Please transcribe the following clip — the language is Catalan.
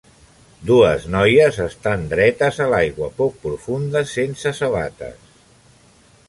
Dues noies estan dretes a l'aigua poc profunda sense sabates.